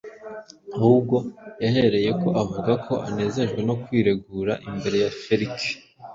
ahubwo yahereye ko avuga ko anezejwe no kwiregura imbere ya Feliki